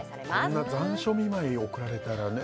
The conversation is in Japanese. こんな残暑見舞い送られたらね